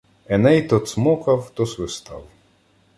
Еней то цмокав, то свистав.